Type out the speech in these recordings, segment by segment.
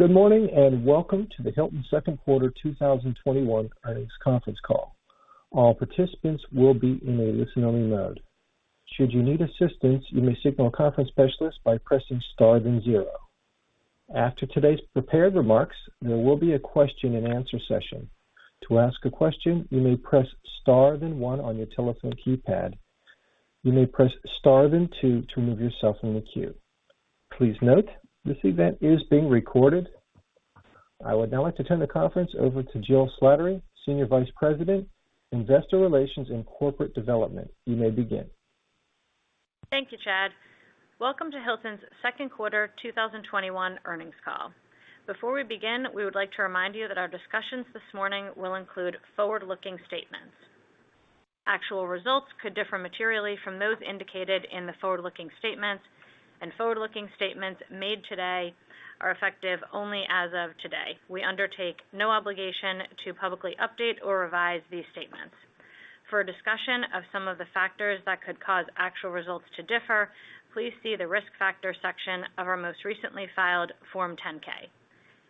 Good morning, and welcome to the Hilton second quarter 2021 earnings conference call. I would now like to turn the conference over to Jill Slattery, Senior Vice President, Investor Relations and Corporate Development. You may begin. Thank you, Chad. Welcome to Hilton's second quarter 2021 earnings call. Before we begin, we would like to remind you that our discussions this morning will include forward-looking statements. Actual results could differ materially from those indicated in the forward-looking statements, and forward-looking statements made today are effective only as of today. We undertake no obligation to publicly update or revise these statements. For a discussion of some of the factors that could cause actual results to differ, please see the Risk Factors section of our most recently filed Form 10-K.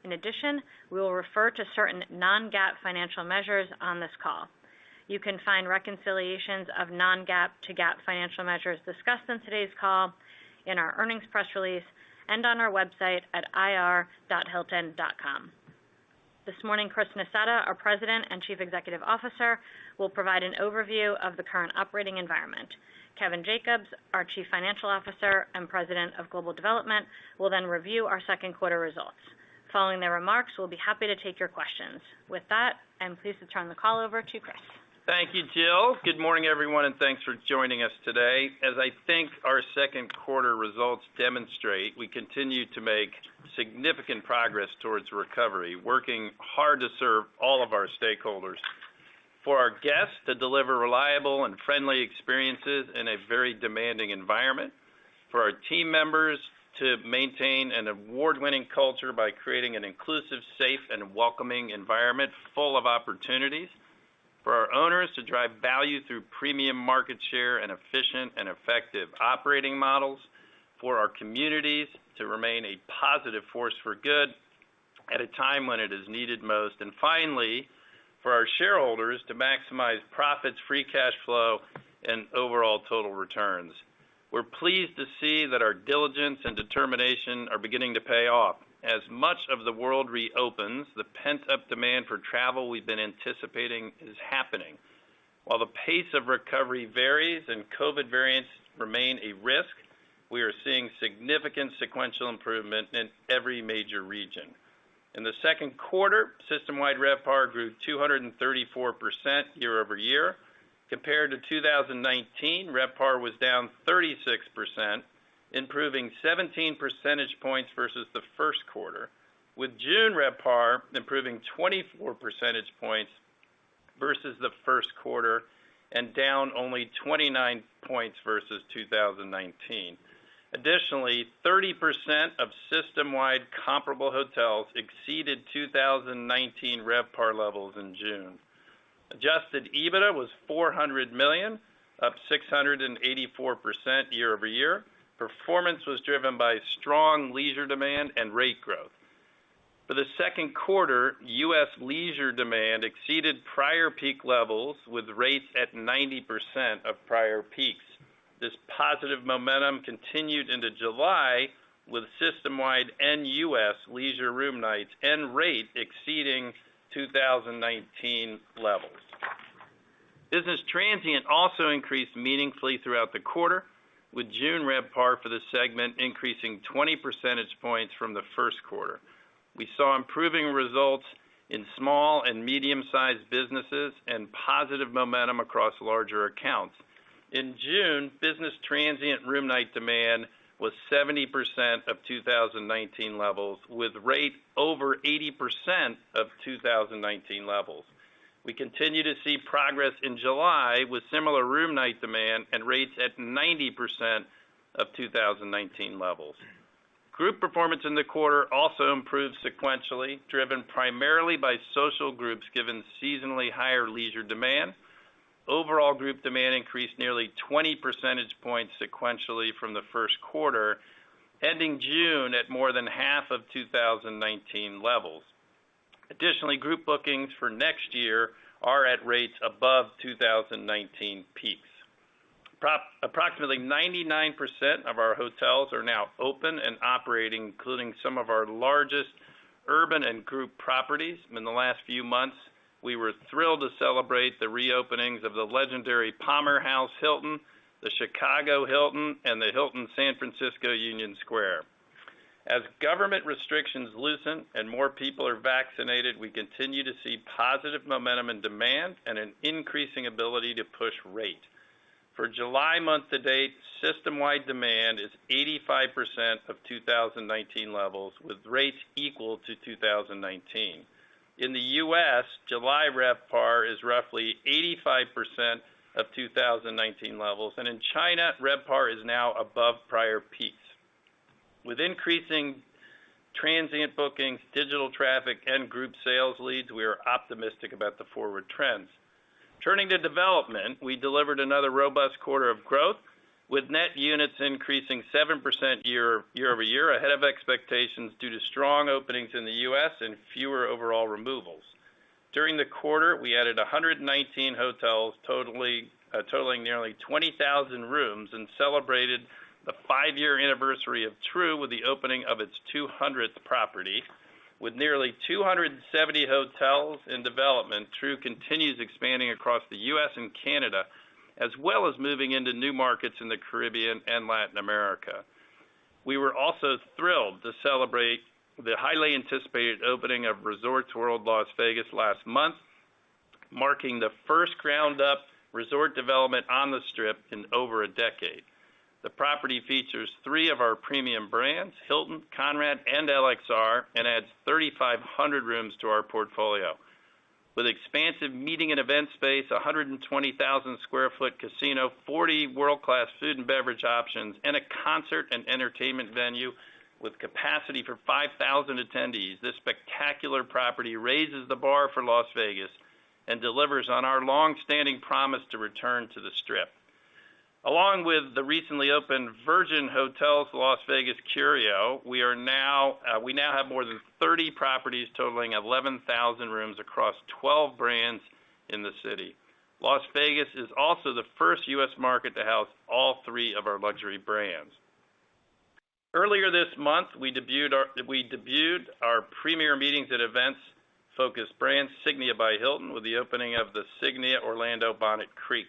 In addition, we will refer to certain non-GAAP financial measures on this call. You can find reconciliations of non-GAAP to GAAP financial measures discussed on today's call in our earnings press release and on our website at ir.hilton.com. This morning, Chris Nassetta, our President and Chief Executive Officer, will provide an overview of the current operating environment. Kevin Jacobs, our Chief Financial Officer and President of Global Development, will then review our second quarter results. Following their remarks, we'll be happy to take your questions. With that, I'm pleased to turn the call over to Chris. Thank you, Jill. Good morning, everyone, and thanks for joining us today. As I think our second quarter results demonstrate, we continue to make significant progress towards recovery, working hard to serve all of our stakeholders. For our guests, to deliver reliable and friendly experiences in a very demanding environment. For our team members, to maintain an award-winning culture by creating an inclusive, safe, and welcoming environment full of opportunities. For our owners, to drive value through premium market share and efficient and effective operating models. For our communities, to remain a positive force for good at a time when it is needed most. Finally, for our shareholders to maximize profits, free cash flow, and overall total returns. We're pleased to see that our diligence and determination are beginning to pay off. As much of the world reopens, the pent-up demand for travel we've been anticipating is happening. While the pace of recovery varies and COVID variants remain a risk, we are seeing significant sequential improvement in every major region. In the second quarter, system-wide RevPAR grew 234% year-over-year. Compared to 2019, RevPAR was down 36%, improving 17 percentage points versus the first quarter, with June RevPAR improving 24 percentage points versus the first quarter, and down only 29 points versus 2019. Additionally, 30% of system-wide comparable hotels exceeded 2019 RevPAR levels in June. Adjusted EBITDA was $400 million, up 684% year-over-year. Performance was driven by strong leisure demand and rate growth. For the second quarter, U.S. leisure demand exceeded prior peak levels, with rates at 90% of prior peaks. This positive momentum continued into July, with system-wide and U.S. leisure room nights and rate exceeding 2019 levels. Business transient also increased meaningfully throughout the quarter, with June RevPAR for the segment increasing 20 percentage points from the first quarter. We saw improving results in small and medium-sized businesses and positive momentum across larger accounts. In June, business transient room night demand was 70% of 2019 levels, with rate over 80% of 2019 levels. We continue to see progress in July, with similar room night demand and rates at 90% of 2019 levels. Group performance in the quarter also improved sequentially, driven primarily by social groups given seasonally higher leisure demand. Overall group demand increased nearly 20 percentage points sequentially from the first quarter, ending June at more than half of 2019 levels. Additionally, group bookings for next year are at rates above 2019 peaks. Approximately 99% of our hotels are now open and operating, including some of our largest urban and group properties. In the last few months, we were thrilled to celebrate the reopenings of the legendary Palmer House, a Hilton Hotel, the Hilton Chicago, and the Hilton San Francisco Union Square. As government restrictions loosen and more people are vaccinated, we continue to see positive momentum and demand and an increasing ability to push rate. For July month to date, system-wide demand is 85% of 2019 levels, with rates equal to 2019. In the U.S., July RevPAR is roughly 85% of 2019 levels, and in China, RevPAR is now above prior peaks. With increasing transient bookings, digital traffic, and group sales leads, we are optimistic about the forward trends. Turning to development, we delivered another robust quarter of growth, with net units increasing 7% year-over-year, ahead of expectations due to strong openings in the U.S. and fewer overall removals. During the quarter, we added 119 hotels, totaling nearly 20,000 rooms, and celebrated the five-year anniversary of Tru with the opening of its 200th property. With nearly 270 hotels in development, Tru continues expanding across the U.S. and Canada, as well as moving into new markets in the Caribbean and Latin America. We were also thrilled to celebrate the highly anticipated opening of Resorts World Las Vegas last month, marking the first ground-up resort development on the Strip in over a decade. The property features three of our premium brands, Hilton, Conrad, and LXR, and adds 3,500 rooms to our portfolio. With expansive meeting and event space, 120,000 sq ft casino, 40 world-class food and beverage options, and a concert and entertainment venue with capacity for 5,000 attendees, this spectacular property raises the bar for Las Vegas and delivers on our long-standing promise to return to the Strip. Along with the recently opened Virgin Hotels Las Vegas, Curio Collection by Hilton, we now have more than 30 properties totaling 11,000 rooms across 12 brands in the city. Las Vegas is also the first U.S. market to house all three of our luxury brands. Earlier this month, we debuted our premier meetings and events focus brand, Signia by Hilton, with the opening of the Signia by Hilton Orlando Bonnet Creek.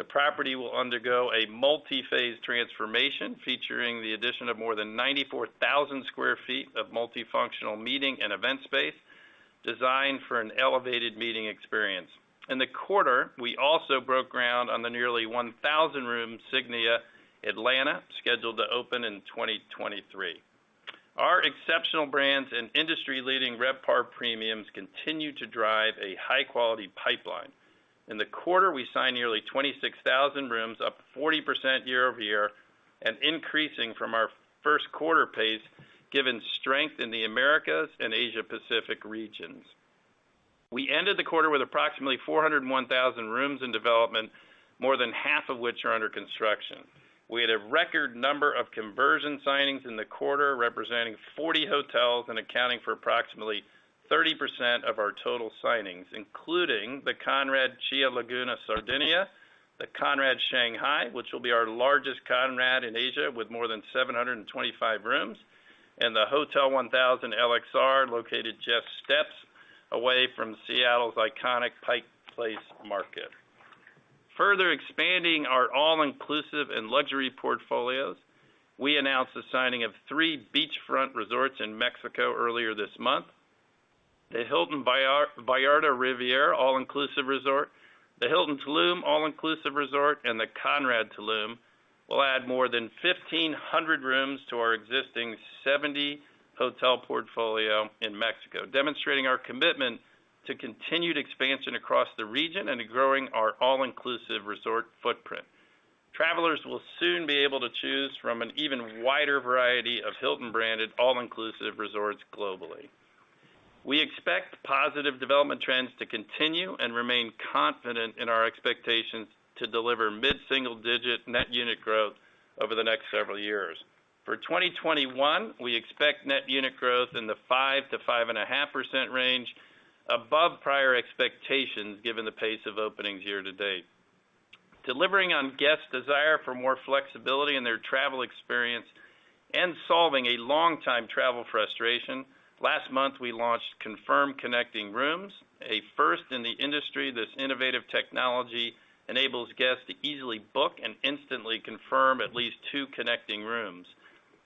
The property will undergo a multi-phase transformation, featuring the addition of more than 94,000 sq ft of multifunctional meeting and event space, designed for an elevated meeting experience. In the quarter, we also broke ground on the nearly 1,000-room Signia by Hilton Atlanta, scheduled to open in 2023. Our exceptional brands and industry-leading RevPAR premiums continue to drive a high-quality pipeline. In the quarter, we signed nearly 26,000 rooms, up 40% year-over-year, and increasing from our first quarter pace, given strength in the Americas and Asia Pacific regions. We ended the quarter with approximately 401,000 rooms in development, more than half of which are under construction. We had a record number of conversion signings in the quarter, representing 40 hotels and accounting for approximately 30% of our total signings, including the Conrad Chia Laguna Sardinia, the Conrad Shanghai, which will be our largest Conrad in Asia with more than 725 rooms, and the Hotel 1000 LXR, located just steps away from Seattle's iconic Pike Place Market. Further expanding our all-inclusive and luxury portfolios, we announced the signing of three beachfront resorts in Mexico earlier this month. The Hilton Vallarta Riviera All-Inclusive Resort, the Hilton Tulum All-Inclusive Resort, and the Conrad Tulum will add more than 1,500 rooms to our existing 70-hotel portfolio in Mexico, demonstrating our commitment to continued expansion across the region and growing our all-inclusive resort footprint. Travelers will soon be able to choose from an even wider variety of Hilton-branded all-inclusive resorts globally. We expect positive development trends to continue, and remain confident in our expectations to deliver mid-single digit net unit growth over the next several years. For 2021, we expect net unit growth in the 5%-5.5% range, above prior expectations given the pace of openings year-to-date. Delivering on guests' desire for more flexibility in their travel experience, and solving a long-time travel frustration, last month, we launched Confirmed Connecting Rooms, a first in the industry. This innovative technology enables guests to easily book and instantly confirm at least two connecting rooms.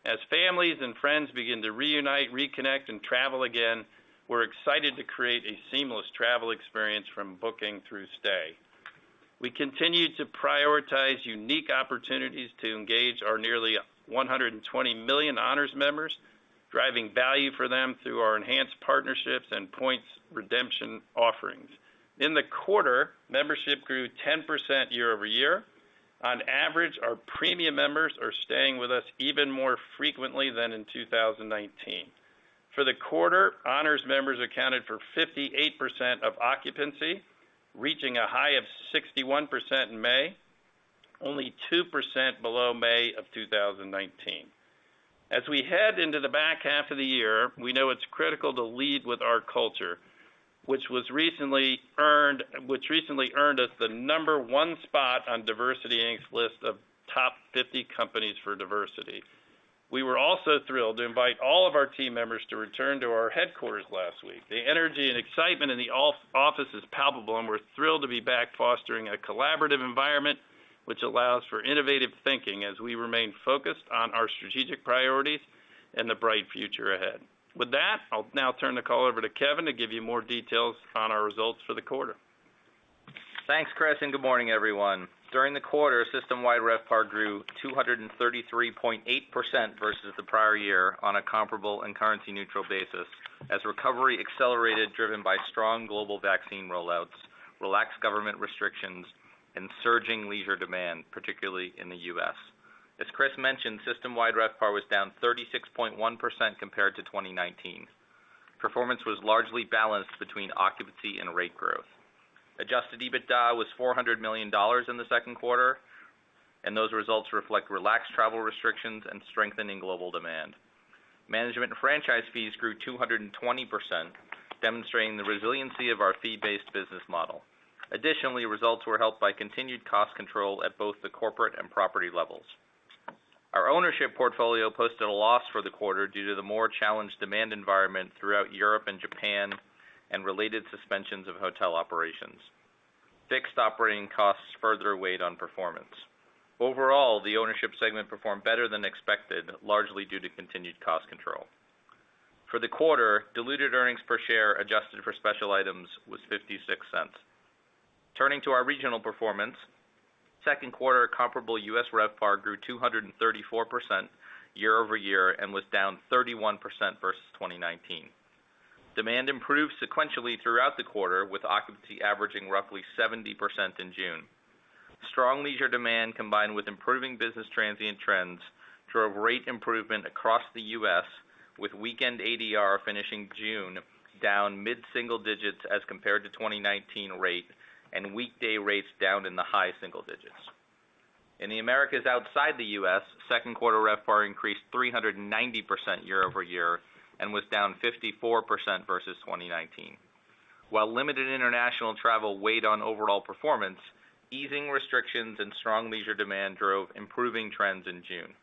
As families and friends begin to reunite, reconnect, and travel again, we're excited to create a seamless travel experience from booking through stay. We continue to prioritize unique opportunities to engage our nearly 120 million Hilton Honors members, driving value for them through our enhanced partnerships and points redemption offerings. In the quarter, membership grew 10% year-over-year. On average, our premium members are staying with us even more frequently than in 2019. For the quarter, Hilton Honors members accounted for 58% of occupancy, reaching a high of 61% in May, only 2% below May of 2019. As we head into the back half of the year, we know it's critical to lead with our culture, which recently earned us the number one spot on DiversityInc's list of Top 50 Companies for Diversity. We were also thrilled to invite all of our team members to return to our headquarters last week. The energy and excitement in the office is palpable, and we're thrilled to be back fostering a collaborative environment which allows for innovative thinking as we remain focused on our strategic priorities and the bright future ahead. With that, I'll now turn the call over to Kevin to give you more details on our results for the quarter. Thanks, Chris, and good morning, everyone. During the quarter, system-wide RevPAR grew 233.8% versus the prior year on a comparable and currency-neutral basis as recovery accelerated, driven by strong global vaccine roll-outs, relaxed government restrictions. Surging leisure demand, particularly in the U.S. As Chris mentioned, system-wide RevPAR was down 36.1% compared to 2019. Performance was largely balanced between occupancy and rate growth. Adjusted EBITDA was $400 million in the second quarter. Those results reflect relaxed travel restrictions and strengthening global demand. Management and franchise fees grew 220%, demonstrating the resiliency of our fee-based business model. Results were helped by continued cost control at both the corporate and property levels. Our ownership portfolio posted a loss for the quarter due to the more challenged demand environment throughout Europe and Japan, and related suspensions of hotel operations. Fixed operating costs further weighed on performance. Overall, the ownership segment performed better than expected, largely due to continued cost control. For the quarter, diluted earnings per share adjusted for special items was $0.56. Turning to our regional performance, second quarter comparable U.S. RevPAR grew 234% year-over-year and was down 31% versus 2019. Demand improved sequentially throughout the quarter, with occupancy averaging roughly 70% in June. Strong leisure demand, combined with improving business transient trends, drove rate improvement across the U.S., with weekend ADR finishing June down mid-single digits as compared to 2019 rate, and weekday rates down in the high single digits. In the Americas outside the U.S., second quarter RevPAR increased 390% year-over-year and was down 54% versus 2019. While limited international travel weighed on overall performance, easing restrictions and strong leisure demand drove improving trends in June.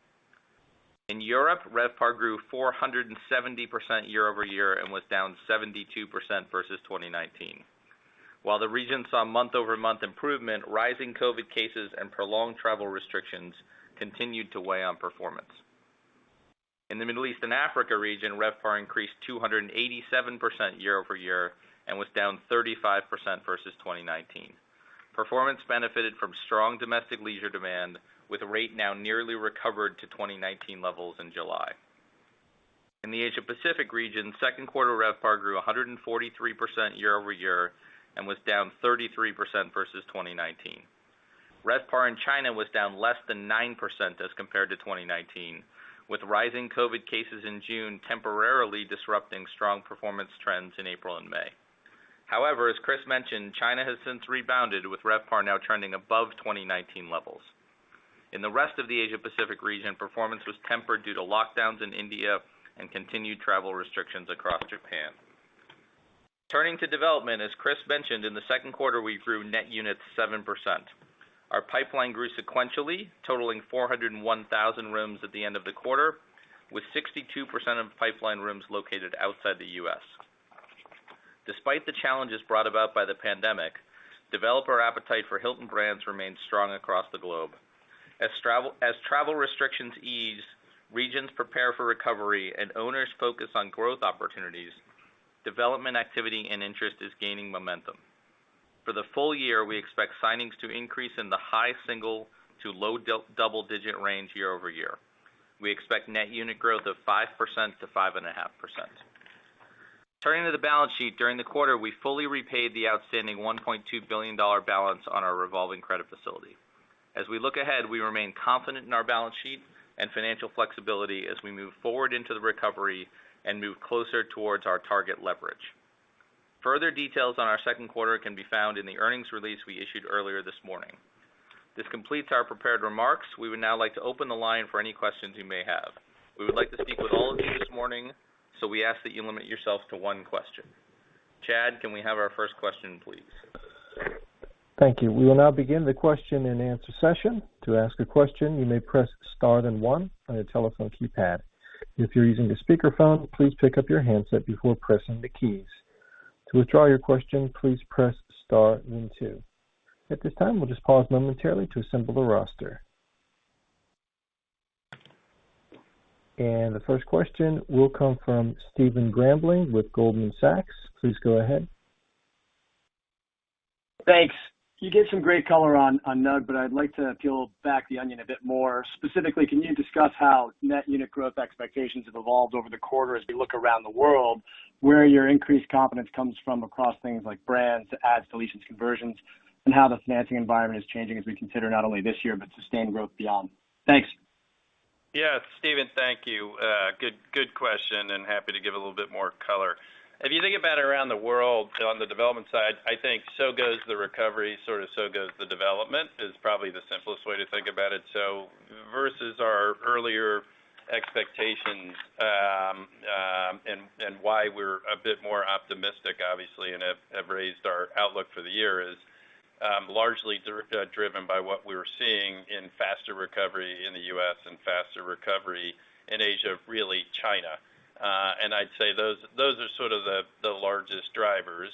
In Europe, RevPAR grew 470% year-over-year and was down 72% versus 2019. While the region saw month-over-month improvement, rising COVID cases and prolonged travel restrictions continued to weigh on performance. In the Middle East and Africa region, RevPAR increased 287% year-over-year and was down 35% versus 2019. Performance benefited from strong domestic leisure demand, with rate now nearly recovered to 2019 levels in July. In the Asia Pacific region, second quarter RevPAR grew 143% year-over-year and was down 33% versus 2019. RevPAR in China was down less than 9% as compared to 2019, with rising COVID cases in June temporarily disrupting strong performance trends in April and May. As Chris mentioned, China has since rebounded with RevPAR now trending above 2019 levels. In the rest of the Asia Pacific region, performance was tempered due to lockdowns in India and continued travel restrictions across Japan. Turning to development, as Chris mentioned, in the second quarter, we grew net units 7%. Our pipeline grew sequentially, totaling 401,000 rooms at the end of the quarter, with 62% of pipeline rooms located outside the U.S. Despite the challenges brought about by the pandemic, developer appetite for Hilton brands remains strong across the globe. As travel restrictions ease, regions prepare for recovery, and owners focus on growth opportunities, development activity and interest is gaining momentum. For the full year, we expect signings to increase in the high single to low double-digit range year-over-year. We expect net unit growth of 5%-5.5%. Turning to the balance sheet, during the quarter, we fully repaid the outstanding $1.2 billion balance on our revolving credit facility. As we look ahead, we remain confident in our balance sheet and financial flexibility as we move forward into the recovery and move closer towards our target leverage. Further details on our second quarter can be found in the earnings release we issued earlier this morning. This completes our prepared remarks. We would now like to open the line for any questions you may have. We would like to speak with all of you this morning, so we ask that you limit yourself to one question. Chad, can we have our first question, please? Thank you. We will now begin the question and answer session. The first question will come from Stephen Grambling with Goldman Sachs. Please go ahead. Thanks. You gave some great color on NUG. I'd like to peel back the onion a bit more. Specifically, can you discuss how net unit growth expectations have evolved over the quarter as we look around the world, where your increased confidence comes from across things like brands, to adds, deletions, conversions, and how the financing environment is changing as we consider not only this year but sustained growth beyond? Thanks. Yeah. Stephen, thank you. Good question. Happy to give a little bit more color. If you think about around the world on the development side, I think so goes the recovery, so goes the development, is probably the simplest way to think about it. Versus our earlier expectations, why we're a bit more optimistic, obviously, have raised our outlook for the year is largely driven by what we're seeing in faster recovery in the U.S. and faster recovery in Asia, really China. I'd say those are the largest drivers.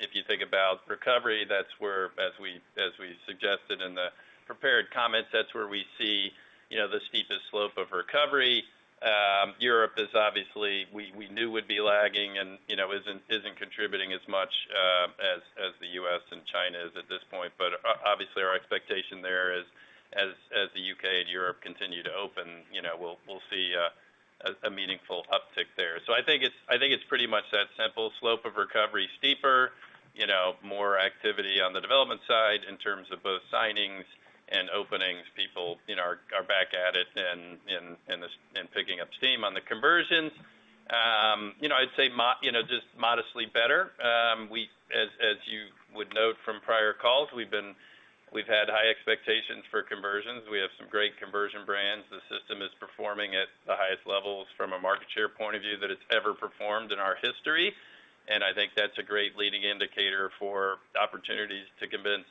If you think about recovery, as we suggested in the prepared comments, that's where we see the steepest slope of recovery. Europe is obviously, we knew would be lagging and isn't contributing as much as the U.S. and China is at this point. Obviously, our expectation there is As the U.K. and Europe continue to open, we'll see a meaningful uptick there. I think it's pretty much that simple. Slope of recovery steeper, more activity on the development side in terms of both signings and openings. People are back at it and picking up steam. On the conversions, I'd say just modestly better. As you would note from prior calls, we've had high expectations for conversions. We have some great conversion brands. The system is performing at the highest levels from a market share point of view that it's ever performed in our history. I think that's a great leading indicator for opportunities to convince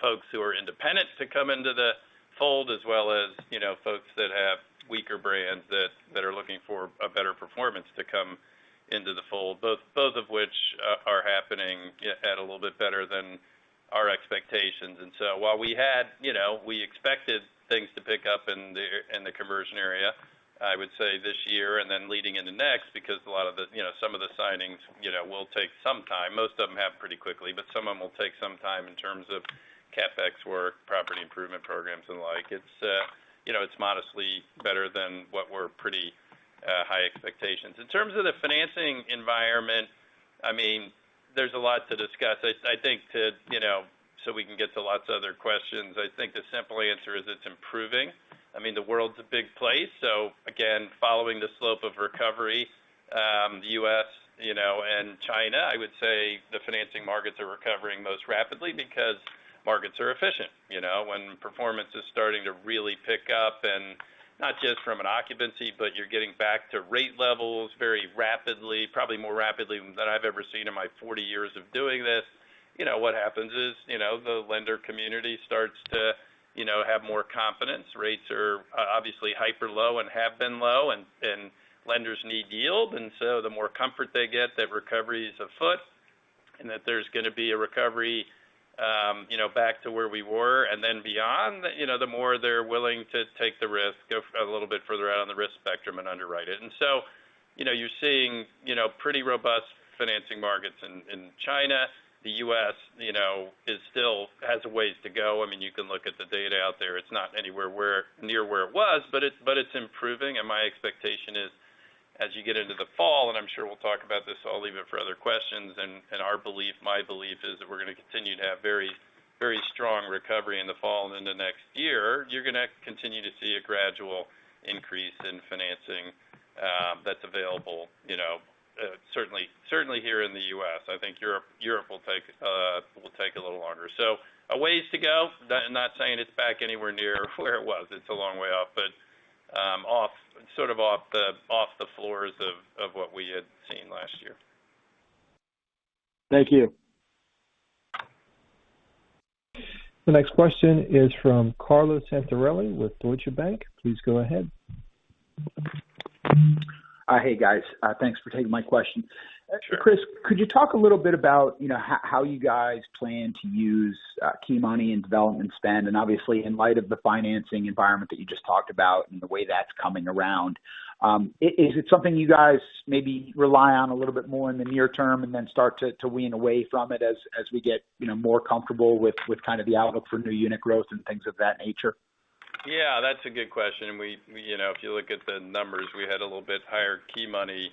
folks who are independent to come into the fold, as well as folks that have weaker brands that are looking for a better performance to come into the fold, both of which are happening at a little bit better than our expectations. While we expected things to pick up in the conversion area, I would say this year and then leading into next, because some of the signings will take some time. Most of them have pretty quickly, but some of them will take some time in terms of CapEx work, property improvement programs and the like. It's modestly better than what were pretty high expectations. In terms of the financing environment, there's a lot to discuss. We can get to lots of other questions, I think the simple answer is it's improving. The world's a big place. Again, following the slope of recovery, the U.S. and China, I would say the financing markets are recovering most rapidly because markets are efficient. When performance is starting to really pick up and not just from an occupancy, but you're getting back to rate levels very rapidly, probably more rapidly than I've ever seen in my 40 years of doing this. What happens is, the lender community starts to have more confidence. Rates are obviously hyper low and have been low, lenders need yield. The more comfort they get that recovery is afoot and that there's going to be a recovery back to where we were and then beyond, the more they're willing to take the risk, go a little bit further out on the risk spectrum and underwrite it. You're seeing pretty robust financing markets in China. The U.S. still has a ways to go. You can look at the data out there. It's not anywhere near where it was, but it's improving. My expectation is as you get into the fall, and I'm sure we'll talk about this, so I'll leave it for other questions, and our belief, my belief is that we're going to continue to have very strong recovery in the fall and into next year. You're going to continue to see a gradual increase in financing that's available, certainly here in the U.S. I think Europe will take a little longer. A ways to go. I'm not saying it's back anywhere near where it was. It's a long way off, but sort of off the floors of what we had seen last year. Thank you. The next question is from Carlo Santarelli with Deutsche Bank. Please go ahead. Hey, guys. Thanks for taking my question. Sure. Chris, could you talk a little bit about how you guys plan to use key money and development spend? Obviously, in light of the financing environment that you just talked about and the way that's coming around, is it something you guys maybe rely on a little bit more in the near term and then start to wean away from it as we get more comfortable with the outlook for new unit growth and things of that nature? That's a good question. If you look at the numbers, we had a little bit higher key money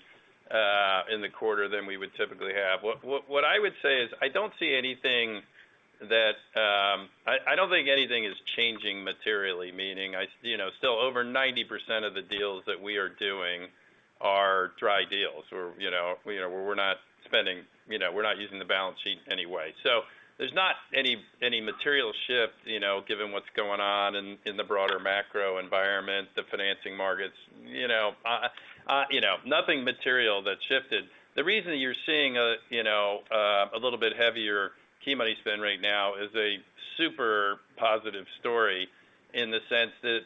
in the quarter than we would typically have. What I would say is I don't think anything is changing materially, meaning, still over 90% of the deals that we are doing are dry deals, where we're not using the balance sheet anyway. There's not any material shift given what's going on in the broader macro environment, the financing markets. Nothing material that's shifted. The reason you're seeing a little bit heavier key money spend right now is a super positive story in the sense that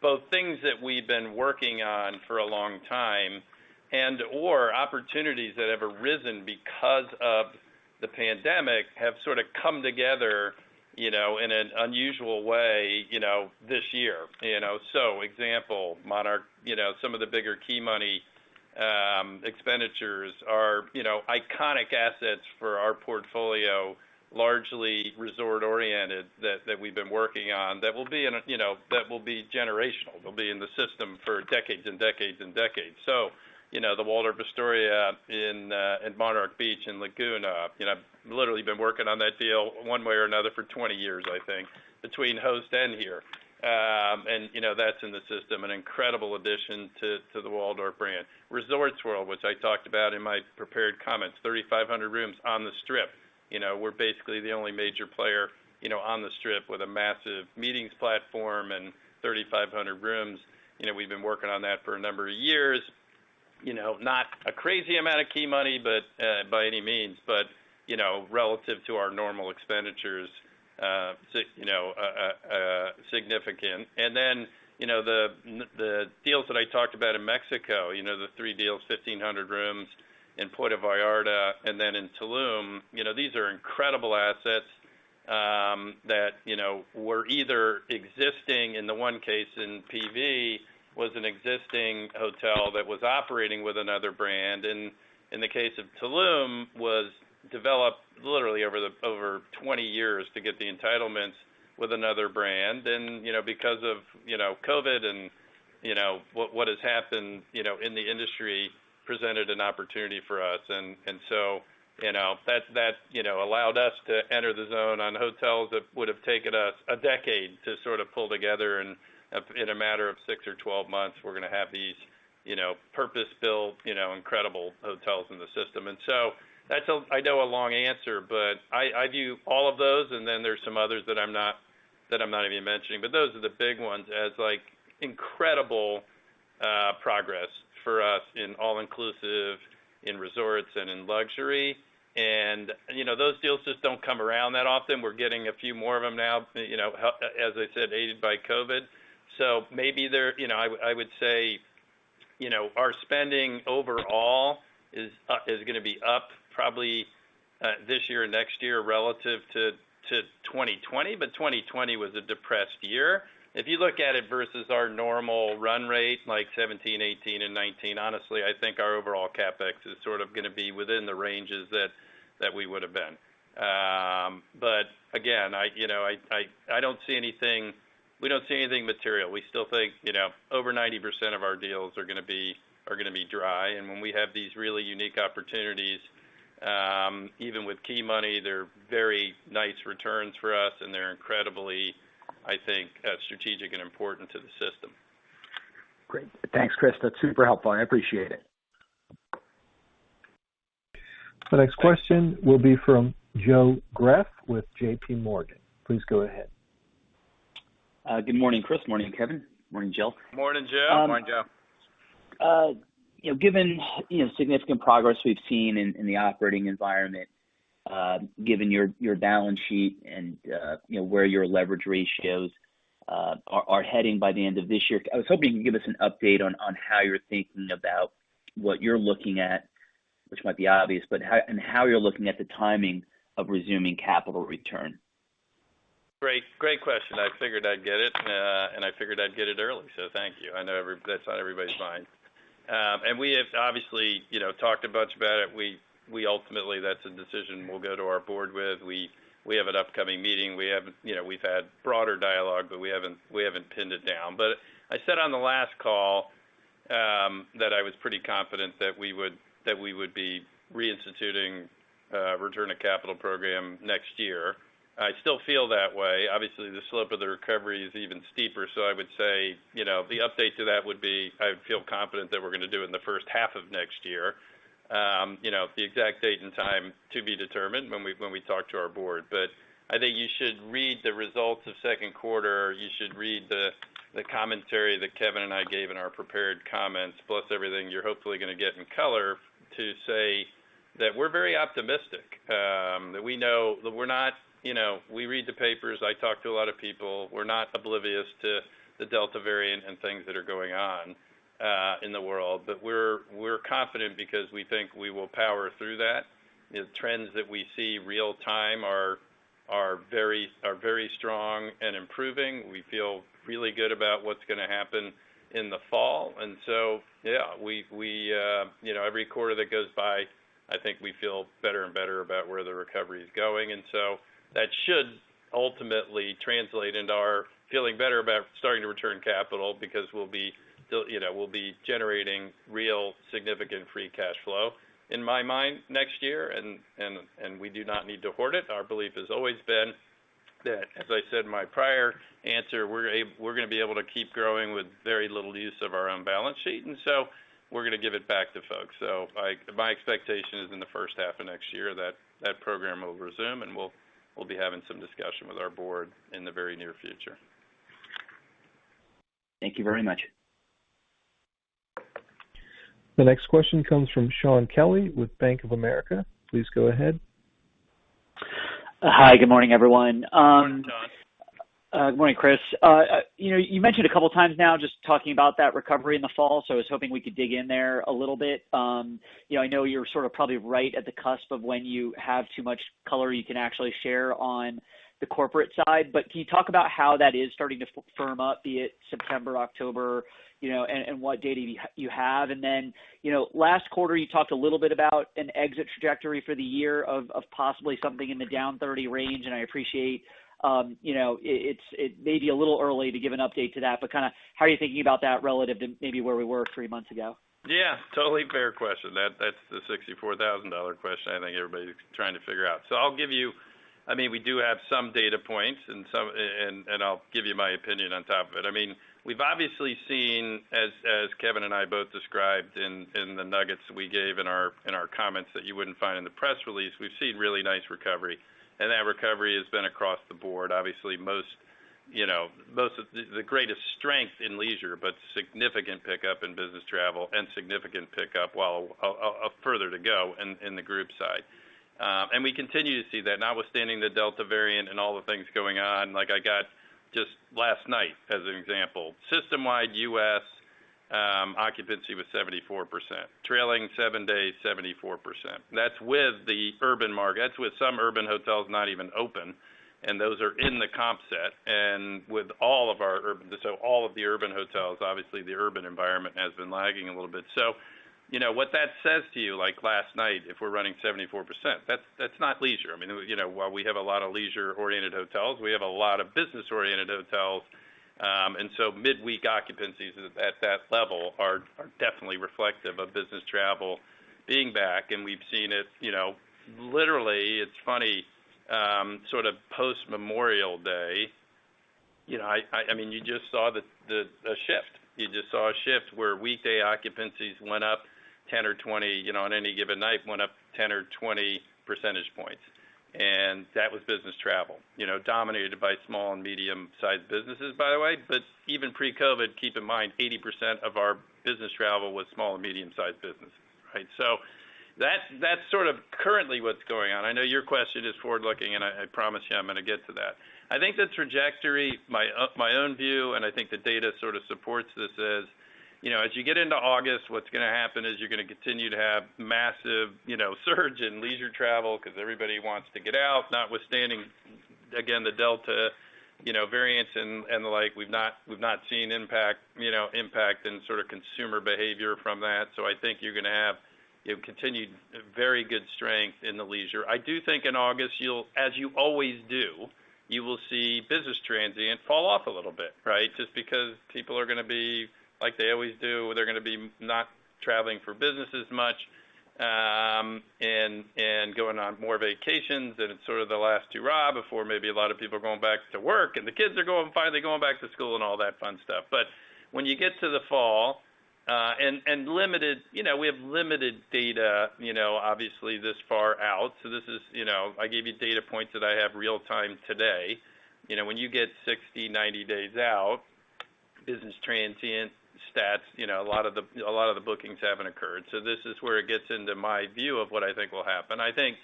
both things that we've been working on for a long time and/or opportunities that have arisen because of the pandemic have sort of come together in an unusual way this year. Example, Monarch Beach, some of the bigger key money expenditures are iconic assets for our portfolio, largely resort oriented that we've been working on that will be generational. They'll be in the system for decades and decades and decades. The Waldorf Astoria in Monarch Beach in Laguna, literally been working on that deal one way or another for 20 years, I think, between Host Hotels & Resorts and here. That's in the system, an incredible addition to the Waldorf brand. Resorts World Las Vegas, which I talked about in my prepared comments, 3,500 rooms on the Strip. We're basically the only major player on the Strip with a massive meetings platform and 3,500 rooms. We've been working on that for a number of years. Not a crazy amount of key money by any means, but relative to our normal expenditures, significant. The deals that I talked about in Mexico, the three deals, 1,500 rooms in Puerto Vallarta, and then in Tulum. These are incredible assets that were either existing in the one case in PV, was an existing hotel that was operating with another brand. In the case of Tulum was developed literally over 20 years to get the entitlements with another brand. Because of COVID and what has happened in the industry presented an opportunity for us. That allowed us to enter the zone on hotels that would've taken us a decade to sort of pull together in a matter of six or 12 months, we're going to have these purpose-built, incredible hotels in the system. That's, I know, a long answer, but I view all of those, and then there's some others that I'm not even mentioning, but those are the big ones as incredible progress for us in all-inclusive in resorts and in luxury. Those deals just don't come around that often. We're getting a few more of them now, as I said, aided by COVID. Maybe I would say our spending overall is going to be up probably this year or next year relative to 2020, but 2020 was a depressed year. If you look at it versus our normal run rate, like 2017, 2018, and 2019, honestly, I think our overall CapEx is sort of going to be within the ranges that we would've been. Again, we don't see anything material. We still think over 90% of our deals are going to be dry. When we have these really unique opportunities, even with key money, they're very nice returns for us and they're incredibly, I think, strategic and important to the system. Great. Thanks, Chris. That's super helpful and I appreciate it. The next question will be from Joe Greff with JPMorgan. Please go ahead. Good morning, Chris. Morning, Kevin. Morning, Jill. Morning, Joe. Morning, Joe. Given significant progress we've seen in the operating environment, given your balance sheet and where your leverage ratios are heading by the end of this year, I was hoping you could give us an update on how you're thinking about what you're looking at, which might be obvious, and how you're looking at the timing of resuming capital return? Great question. I figured I'd get it, and I figured I'd get it early, so thank you. I know that's on everybody's mind. We have obviously talked a bunch about it. Ultimately, that's a decision we'll go to our board with. We have an upcoming meeting. We've had broader dialogue, but we haven't pinned it down. I said on the last call that I was pretty confident that we would be reinstituting a return of capital program next year. I still feel that way. Obviously, the slope of the recovery is even steeper, so I would say the update to that would be, I feel confident that we're going to do it in the first half of next year. The exact date and time to be determined when we talk to our board. I think you should read the results of second quarter. You should read the commentary that Kevin and I gave in our prepared comments, plus everything you're hopefully going to get in color to say that we're very optimistic. We read the papers. I talk to a lot of people. We're not oblivious to the Delta variant and things that are going on in the world. We're confident because we think we will power through that. The trends that we see real time are very strong and improving. We feel really good about what's going to happen in the fall. Yeah, every quarter that goes by, I think we feel better and better about where the recovery is going. That should ultimately translate into our feeling better about starting to return capital because we'll be generating real significant free cash flow, in my mind, next year, and we do not need to hoard it. Our belief has always been that, as I said in my prior answer, we're going to be able to keep growing with very little use of our own balance sheet, and so we're going to give it back to folks. My expectation is in the first half of next year, that program will resume, and we'll be having some discussion with our board in the very near future. Thank you very much. The next question comes from Shaun Kelley with Bank of America. Please go ahead. Hi. Good morning, everyone. Morning, Shaun. Good morning, Chris. You mentioned a couple times now just talking about that recovery in the fall, so I was hoping we could dig in there a little bit. I know you're sort of probably right at the cusp of when you have too much color you can actually share on the corporate side, but can you talk about how that is starting to firm up, be it September, October, and what data you have? Last quarter, you talked a little bit about an exit trajectory for the year of possibly something in the down 30% range, and I appreciate it may be a little early to give an update to that, but how are you thinking about that relative to maybe where we were three months ago? Yeah, totally fair question. That's the $64,000 question I think everybody's trying to figure out. I mean, we do have some data points and I'll give you my opinion on top of it. I mean, we've obviously seen, as Kevin and I both described in the nuggets we gave in our comments that you wouldn't find in the press release, we've seen really nice recovery, and that recovery has been across the board. Obviously, the greatest strength in leisure, but significant pickup in business travel and significant pickup, while further to go, in the group side. We continue to see that notwithstanding the Delta variant and all the things going on. Like I got just last night, as an example, system-wide U.S. occupancy was 74%, trailing seven-day 74%. That's with some urban hotels not even open, and those are in the comp set. All of the urban hotels, obviously the urban environment has been lagging a little bit. What that says to you, like last night, if we're running 74%, that's not leisure. While we have a lot of leisure-oriented hotels, we have a lot of business-oriented hotels. Midweek occupancies at that level are definitely reflective of business travel being back, and we've seen it. Literally, it's funny, sort of post Memorial Day, you just saw the shift. You just saw a shift where weekday occupancies went up 10 or 20 percentage points, on any given night, went up 10 or 20 percentage points. That was business travel. Dominated by small and medium-sized businesses, by the way. Even pre-COVID, keep in mind, 80% of our business travel was small and medium-sized businesses. Right? That's currently what's going on. I know your question is forward-looking. I promise you, I'm going to get to that. I think the trajectory, my own view. I think the data sort of supports this, is as you get into August, what's going to happen is you're going to continue to have massive surge in leisure travel because everybody wants to get out, notwithstanding, again, the Delta variant and the like. We've not seen impact in consumer behavior from that. I think you're going to have continued very good strength in the leisure. I do think in August, as you always do, you will see business transient fall off a little bit. Just because people are going to be like they always do. They're going to be not traveling for business as much, and going on more vacations, and it's sort of the last hurrah before maybe a lot of people are going back to work, and the kids are finally going back to school, and all that fun stuff. When you get to the fall, and we have limited data obviously this far out, so I gave you data points that I have real time today. When you get 60, 90 days out, business transient stats, a lot of the bookings haven't occurred. This is where it gets into my view of what I think will happen. I think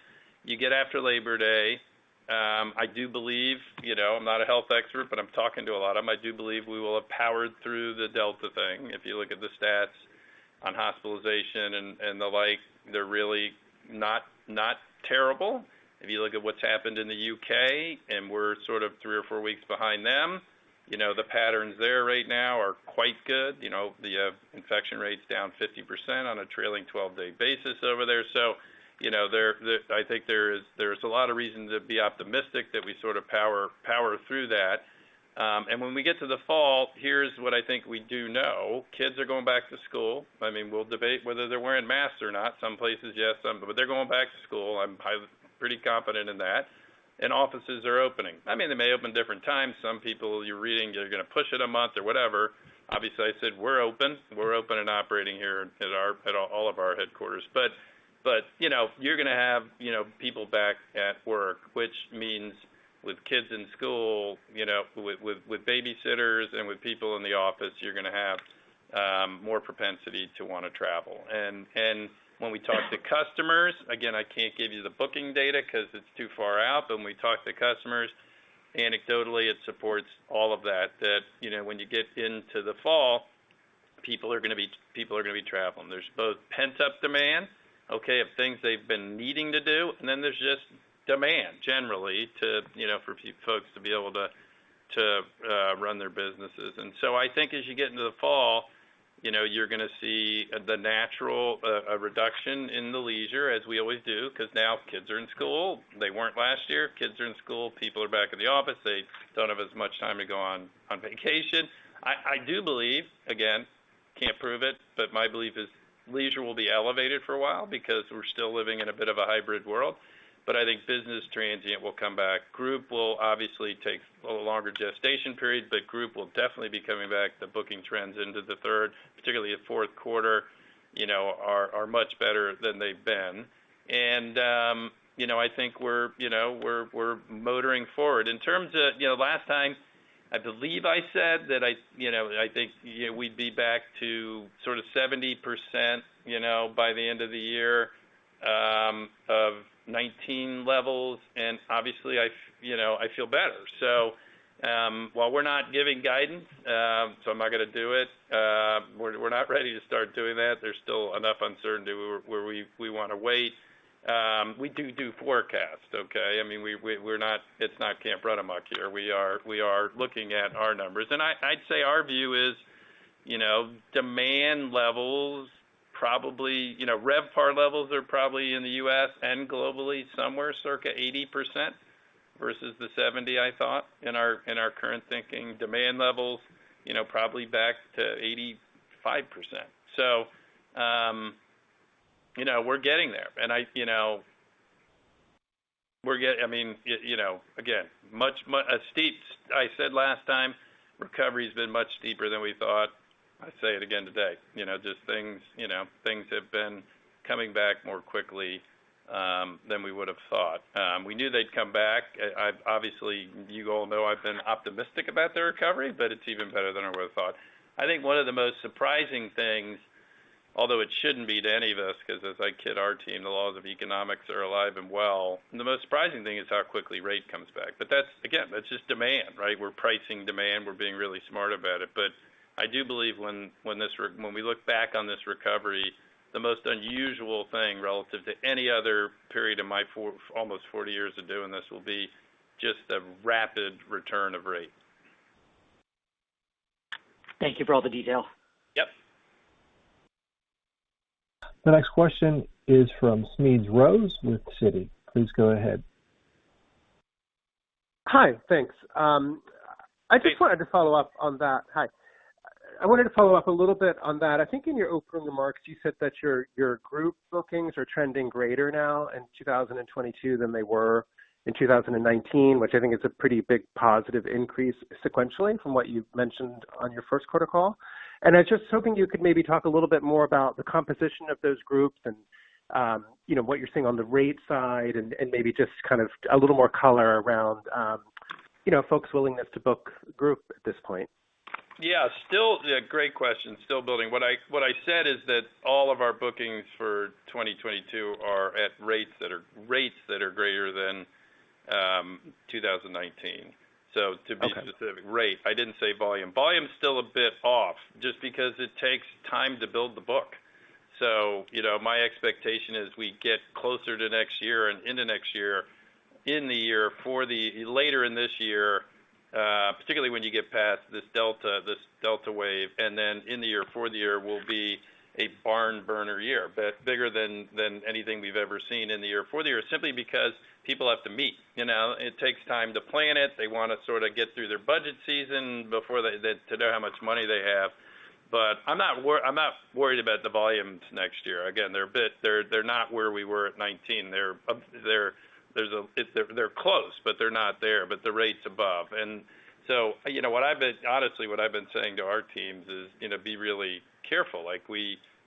you get after Labor Day. I do believe, I'm not a health expert, but I'm talking to a lot of them. I do believe we will have powered through the Delta thing. If you look at the stats on hospitalization and the like, they're really not terrible. If you look at what's happened in the U.K., and we're three or four weeks behind them, the patterns there right now are quite good. The infection rate's down 50% on a trailing 12-day basis over there. I think there's a lot of reason to be optimistic that we power through that. When we get to the fall, here's what I think we do know. Kids are going back to school. We'll debate whether they're wearing masks or not. Some places, yes. They're going back to school. I'm pretty confident in that. Offices are opening. They may open different times. Some people, you're reading, they're going to push it a month or whatever. Obviously, I said we're open. We're open and operating here at all of our headquarters. You're going to have people back at work, which means with kids in school, with babysitters, and with people in the office, you're going to have more propensity to want to travel. When we talk to customers, again, I can't give you the booking data because it's too far out, but when we talk to customers, anecdotally, it supports all of that when you get into the fall, people are going to be traveling. There's both pent-up demand of things they've been needing to do, and then there's just demand generally for folks to be able to run their businesses. I think as you get into the fall, you're going to see the natural reduction in the leisure, as we always do, because now kids are in school. They weren't last year. Kids are in school. People are back in the office. They don't have as much time to go on vacation. I do believe, again, can't prove it, but my belief is leisure will be elevated for a while because we're still living in a bit of a hybrid world. I think business transient will come back. Group will obviously take a little longer gestation period, but group will definitely be coming back. The booking trends into the third, particularly at fourth quarter, are much better than they've been. I think we're motoring forward. In terms of last time, I believe I said that I think we'd be back to sort of 70% by the end of the year of 2019 levels. Obviously I feel better. While we're not giving guidance, so I'm not going to do it. We're not ready to start doing that. There's still enough uncertainty where we want to wait. We do forecasts. It's not Camp Runamuck here. We are looking at our numbers. I'd say our view is demand levels probably, RevPAR levels are probably in the U.S. and globally somewhere circa 80% versus the 70% I thought in our current thinking. Demand levels probably back to 85%. We're getting there. I said last time recovery's been much deeper than we thought. I say it again today. Things have been coming back more quickly than we would've thought. We knew they'd come back. You all know I've been optimistic about the recovery, it's even better than I would've thought. One of the most surprising things, although it shouldn't be to any of us because as I kid our team, the laws of economics are alive and well, the most surprising thing is how quickly rate comes back. That's, again, that's just demand. We're pricing demand. We're being really smart about it. I do believe when we look back on this recovery, the most unusual thing relative to any other period in my almost 40 years of doing this will be just the rapid return of rate. Thank you for all the detail. Yep. The next question is from Smedes Rose with Citi. Please go ahead. Hi. Thanks. I just wanted to follow up on that. I wanted to follow up a little bit on that. I think in your opening remarks, you said that your group bookings are trending greater now in 2022 than they were in 2019, which I think is a pretty big positive increase sequentially from what you've mentioned on your first quarter call. I was just hoping you could maybe talk a little bit more about the composition of those groups and what you're seeing on the rate side and maybe just kind of a little more color around folks' willingness to book group at this point. Yeah. Great question. Still building. What I said is that all of our bookings for 2022 are at rates that are greater than 2019. Okay. To be specific, rate, I didn't say volume. Volume's still a bit off just because it takes time to build the book. My expectation as we get closer to next year and into next year, in the year for the later in this year, particularly when you get past this Delta wave, and then in the year for the year will be a barn burner year, but bigger than anything we've ever seen in the year for the year, simply because people have to meet. It takes time to plan it. They want to sort of get through their budget season to know how much money they have. I'm not worried about the volumes next year. Again, they're not where we were at 2019. They're close, but they're not there, but the rate's above. Honestly, what I've been saying to our teams is be really careful.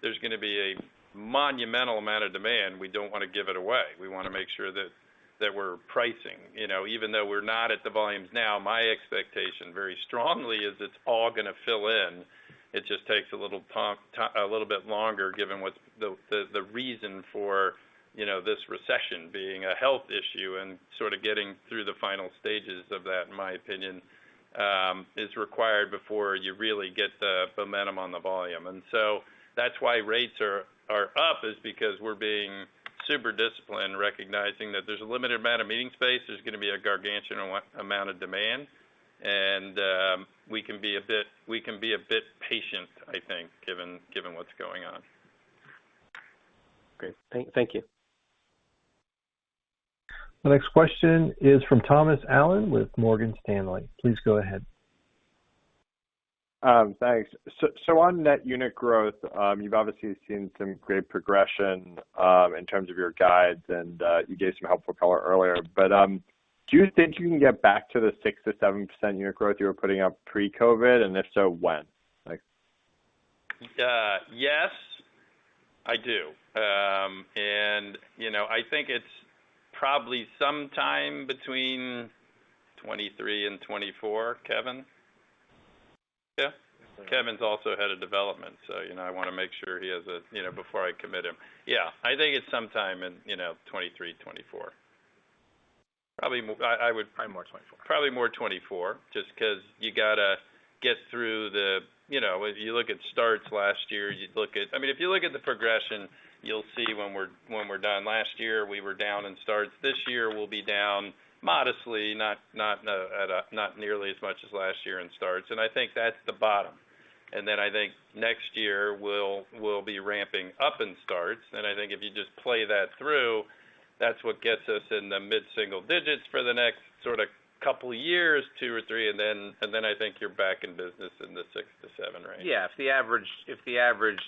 There's going to be a monumental amount of demand. We don't want to give it away. We want to make sure that we're pricing. Even though we're not at the volumes now, my expectation very strongly is it's all going to fill in. It just takes a little bit longer given the reason for this recession being a health issue and sort of getting through the final stages of that, in my opinion, is required before you really get the momentum on the volume. That's why rates are up, is because we're being super disciplined, recognizing that there's a limited amount of meeting space, there's going to be a gargantuan amount of demand, and we can be a bit patient, I think, given what's going on. Great. Thank you. The next question is from Thomas Allen with Morgan Stanley. Please go ahead. Thanks. On net unit growth, you've obviously seen some great progression in terms of your guides, and you gave some helpful color earlier, but do you think you can get back to the 6%-7% unit growth you were putting up pre-COVID? If so, when? Yes, I do. I think it's probably sometime between 2023 and 2024, Kevin? Yeah. Kevin's also Head of Development, so I want to make sure before I commit him. Yeah. I think it's sometime in 2023, 2024. Probably more 2024. Probably more 2024, just because you got to get through. If you look at starts last year, if you look at the progression, you'll see when we're down. Last year, we were down in starts. This year, we'll be down modestly, not nearly as much as last year in starts, and I think that's the bottom. I think next year, we'll be ramping up in starts. I think if you just play that through, that's what gets us in the mid-single digits for the next couple years, two or three, and then I think you're back in business in the 6%-7% range. Yeah. If the average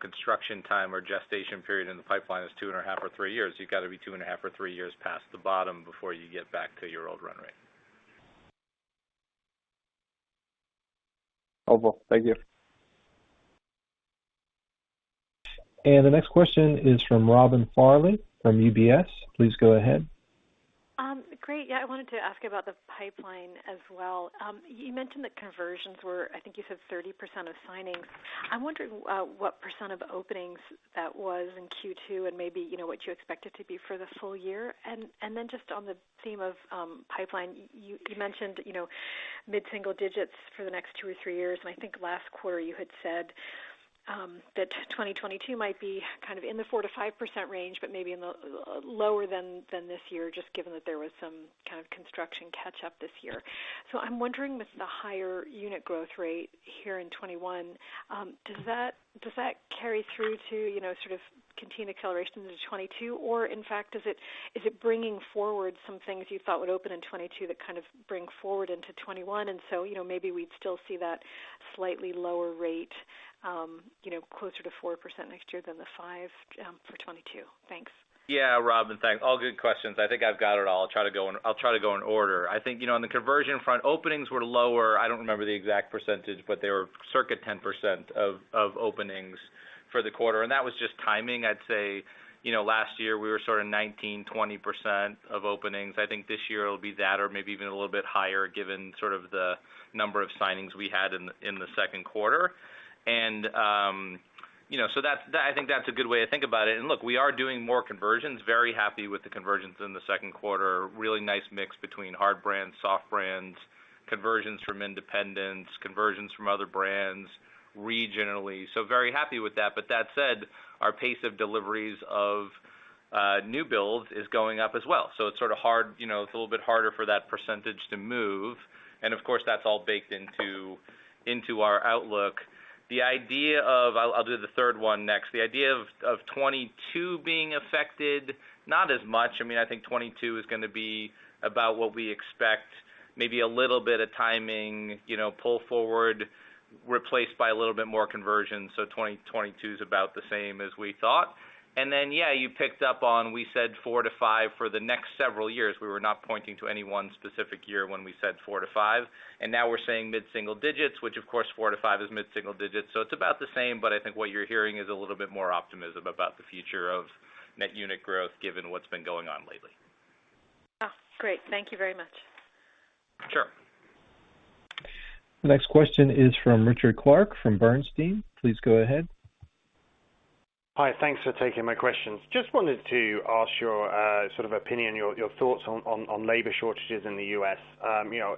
construction time or gestation period in the pipeline is two and a half or three years, you've got to be two and a half or three years past the bottom before you get back to your old run rate. Over. Thank you. The next question is from Robin Farley from UBS. Please go ahead. Great. Yeah, I wanted to ask about the pipeline as well. You mentioned that conversions were, I think you said 30% of signings. I'm wondering what percent of openings that was in Q2 and maybe what you expect it to be for the full year. Just on the theme of pipeline, you mentioned mid-single digits for the next two or three years, and I think last quarter you had said that 2022 might be kind of in the 4%-5% range, but maybe lower than this year, just given that there was some kind of construction catch-up this year. I'm wondering with the higher unit growth rate here in 2021, does that carry through to sort of continued acceleration into 2022? In fact, is it bringing forward some things you thought would open in 2022 that kind of bring forward into 2021, maybe we'd still see that slightly lower rate, closer to 4% next year than the 5% for 2022? Thanks. Yeah, Robin, thanks. All good questions. I think I've got it all. I'll try to go in order. I think on the conversion front, openings were lower. I don't remember the exact percentage, but they were circa 10% of openings for the quarter, and that was just timing. I'd say last year, we were sort of 19%, 20% of openings. I think this year it'll be that or maybe even a little bit higher given sort of the number of signings we had in the second quarter. I think that's a good way to think about it. Look, we are doing more conversions. Very happy with the conversions in the second quarter. Really nice mix between hard brands, soft brands, conversions from independents, conversions from other brands regionally. Very happy with that. That said, our pace of deliveries of new build is going up as well. It's a little bit harder for that percentage to move, and of course, that's all baked into our outlook. I'll do the third one next. The idea of 2022 being affected, not as much. I think 2022 is going to be about what we expect, maybe a little bit of timing, pull forward, replaced by a little bit more conversion, so 2022 is about the same as we thought. Yeah, you picked up on, we said 4%-5% for the next several years. We were not pointing to any one specific year when we said 4%-5%, and now we're saying mid-single digits, which of course, 4%-5% is mid-single digits, so it's about the same. I think what you're hearing is a little bit more optimism about the future of net unit growth, given what's been going on lately. Oh, great. Thank you very much. Sure. The next question is from Richard Clarke from Bernstein. Please go ahead. Hi. Thanks for taking my questions. Just wanted to ask your opinion, your thoughts on labor shortages in the U.S.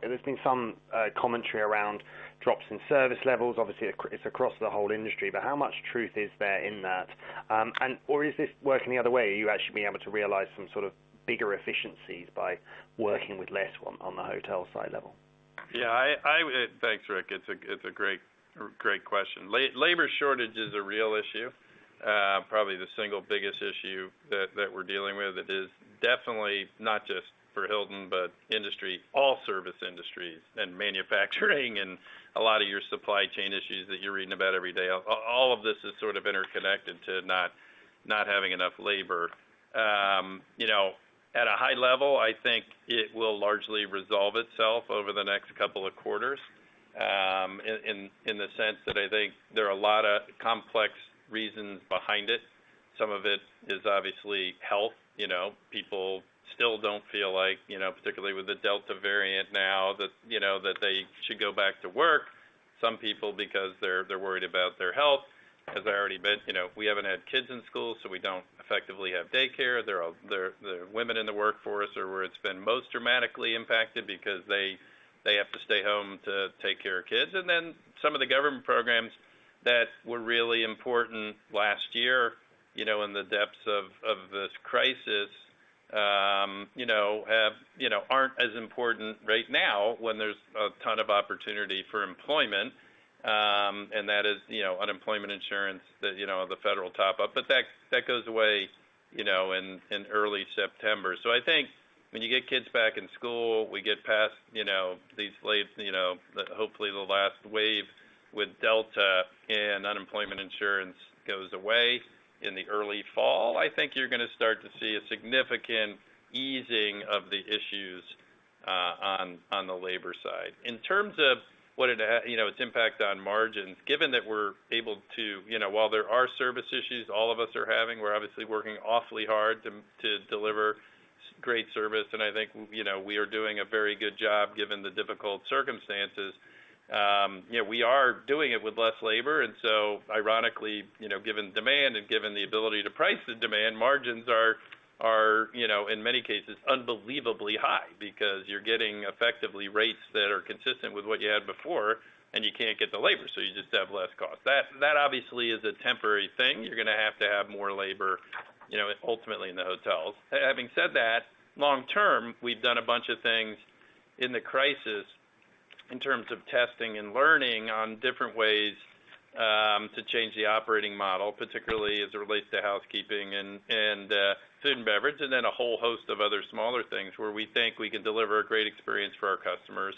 There's been some commentary around drops in service levels. Obviously, it's across the whole industry. How much truth is there in that? Is this working the other way? Are you actually being able to realize some sort of bigger efficiencies by working with less on the hotel side level? Thanks, Rick. It's a great question. Labor shortage is a real issue. Probably the single biggest issue that we're dealing with. It is definitely not just for Hilton, but industry, all service industries and manufacturing, and a lot of your supply chain issues that you're reading about every day. All of this is sort of interconnected to not having enough labor. At a high level, I think it will largely resolve itself over the next couple of quarters, in the sense that I think there are a lot of complex reasons behind it. Some of it is obviously health. People still don't feel like, particularly with the Delta variant now, that they should go back to work. Some people, because they're worried about their health. As I already mentioned, we haven't had kids in school, so we don't effectively have daycare. The women in the workforce are where it's been most dramatically impacted because they have to stay home to take care of kids. Some of the government programs that were really important last year, in the depths of this crisis, aren't as important right now when there's a ton of opportunity for employment. That is, unemployment insurance, the federal top-up. That goes away in early September. I think when you get kids back in school, we get past hopefully the last wave with Delta variant, and unemployment insurance goes away in the early fall, I think you're going to start to see a significant easing of the issues on the labor side. In terms of its impact on margins, given that while there are service issues all of us are having, we're obviously working awfully hard to deliver great service, and I think we are doing a very good job given the difficult circumstances. We are doing it with less labor, and so ironically, given demand and given the ability to price the demand, margins are, in many cases, unbelievably high because you're getting effectively rates that are consistent with what you had before, and you can't get the labor, so you just have less cost. That obviously is a temporary thing. You're going to have to have more labor, ultimately in the hotels. Having said that, long term, we've done a bunch of things in the crisis in terms of testing and learning on different ways to change the operating model, particularly as it relates to housekeeping and food and beverage, and then a whole host of other smaller things where we think we can deliver a great experience for our customers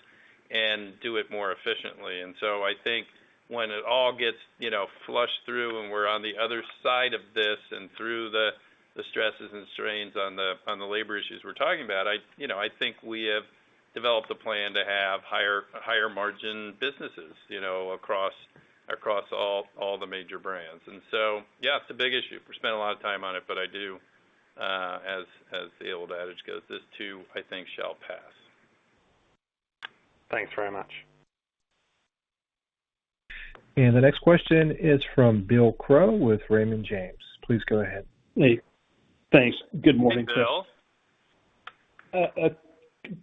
and do it more efficiently. I think when it all gets flushed through and we're on the other side of this, and through the stresses and strains on the labor issues we're talking about, I think we have developed a plan to have higher margin businesses across all the major brands. Yeah, it's a big issue. We spend a lot of time on it, but I do, as the old adage goes, "This too, I think, shall pass. Thanks very much. The next question is from Bill Crow with Raymond James. Please go ahead. Hey. Thanks. Good morning. Hey, Bill. A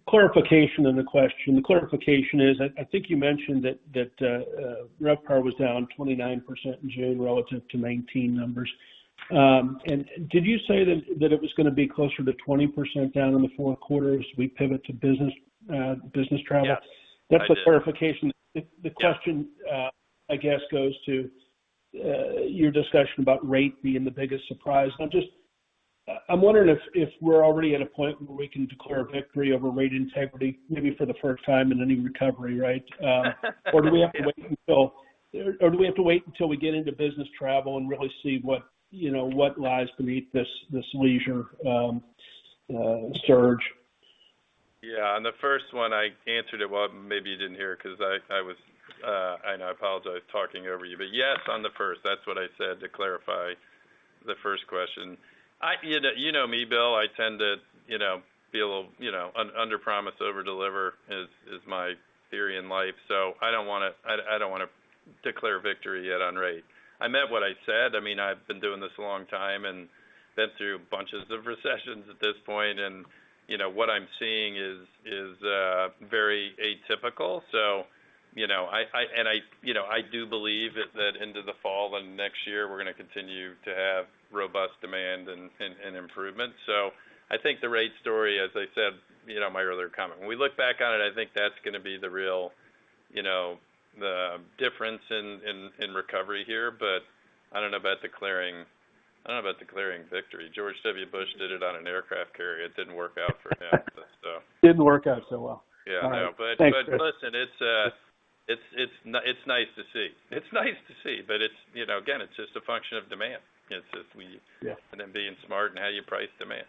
clarification on the question. The clarification is, I think you mentioned that RevPAR was down 29% in June relative to 2019 numbers. Did you say that it was going to be closer to 20% down in the fourth quarter as we pivot to business travel? Yeah. That's the clarification. The question, I guess, goes to your discussion about rate being the biggest surprise. I'm wondering if we're already at a point where we can declare victory over rate integrity, maybe for the first time in any recovery, right? Do we have to wait until we get into business travel and really see what lies beneath this leisure surge? Yeah, on the first one, I answered it. Well, maybe you didn't hear it because I was, and I apologize, talking over you. Yes, on the first. That's what I said to clarify the first question. You know me, Bill. Underpromise, overdeliver is my theory in life. I don't want to declare victory yet on rate. I meant what I said. I've been doing this a long time, and been through bunches of recessions at this point, and what I'm seeing is very atypical. I do believe that into the fall and next year, we're going to continue to have robust demand and improvement. I think the rate story, as I said in my earlier comment, when we look back on it, I think that's going to be the real difference in recovery here. I don't know about declaring victory. George W. Bush did it on an aircraft carrier. It didn't work out for him. Didn't work out so well. Yeah. All right. Thanks. Listen, it's nice to see. Again, it's just a function of demand. Yeah. Being smart in how you price demand.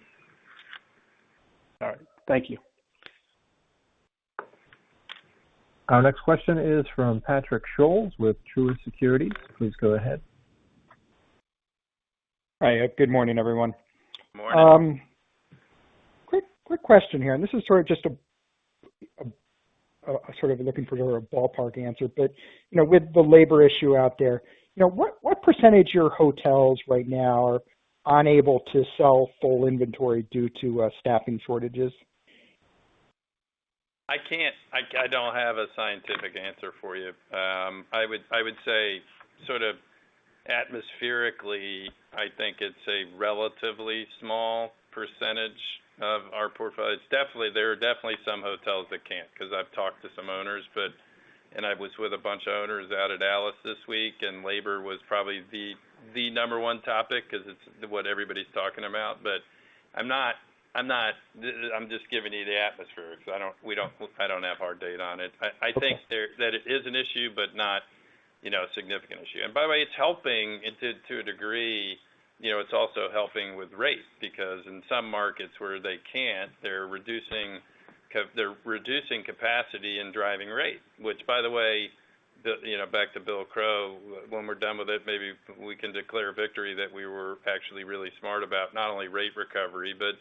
All right. Thank you. Our next question is from Patrick Scholes with Truist Securities. Please go ahead. Hi, good morning, everyone. Morning. Quick question here, this is sort of just looking for a ballpark answer. With the labor issue out there, what percentage of your hotels right now are unable to sell full inventory due to staffing shortages? I don't have a scientific answer for you. I would say atmospherically, I think it's a relatively small percentage of our portfolio. There are definitely some hotels that can't, because I've talked to some owners, and I was with a bunch of owners out at Dallas this week, and labor was probably the number one topic because it's what everybody's talking about. I'm just giving you the atmosphere because I don't have hard data on it. Okay. I think that it is an issue, but not a significant issue. By the way, it's helping to a degree. It's also helping with rate, because in some markets where they can't, they're reducing capacity and driving rate. Which by the way, back to Bill Crow, when we're done with it, maybe we can declare victory that we were actually really smart about not only rate recovery, but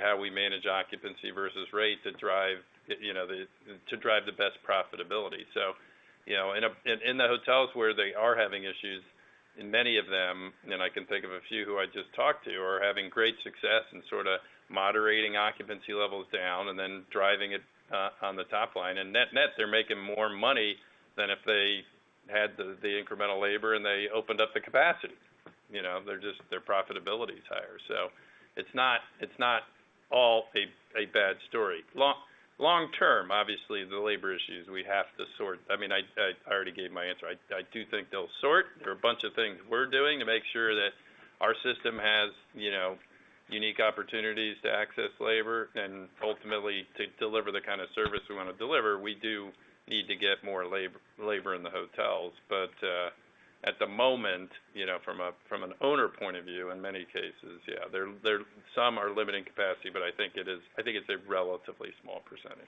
how we manage occupancy versus rate to drive the best profitability. In the hotels where they are having issues, in many of them, and I can think of a few who I just talked to, are having great success in moderating occupancy levels down and then driving it on the top line. Net-net, they're making more money than if they had the incremental labor and they opened up the capacity. Their profitability's higher. It's not all a bad story. Long term, obviously, the labor issues we have to sort. I already gave my answer. I do think they'll sort. There are a bunch of things we're doing to make sure that our system has unique opportunities to access labor and ultimately to deliver the kind of service we want to deliver. We do need to get more labor in the hotels. At the moment, from an owner point of view, in many cases, yeah, some are limiting capacity, but I think it's a relatively small percentage.